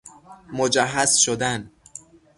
مجهز شدن